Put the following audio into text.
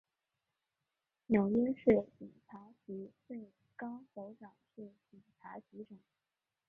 纽约市警察局最高首长是警察局长。